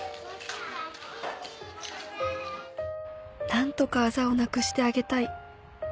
「何とかあざをなくしてあげたい」